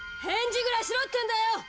返事ぐらいしろってんだよ！